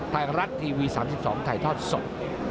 ไทยรัฐทีวี๓๒ถ่ายทอดสด